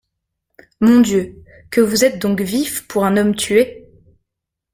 Mon Dieu ! que vous êtes donc vif pour un homme tué.